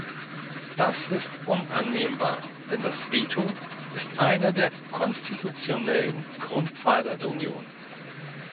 Das ist unannehmbar, denn das Veto ist einer der konstitutionellen Grundpfeiler der Union.